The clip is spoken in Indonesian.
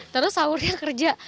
terus sahurnya kerja